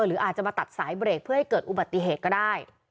หรืออาจจะมาตัดสายเบรกเพื่อให้เกิดอุบัติเหตุก็ได้